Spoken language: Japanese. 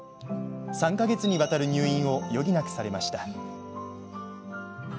３か月にわたる入院を余儀なくされました。